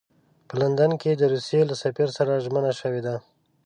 په لندن کې د روسیې له سفیر سره ژمنه شوې ده.